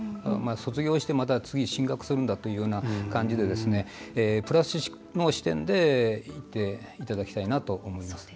卒業して、また次進学するんだというような感じでプラスの視点でいていただきたいなと思います。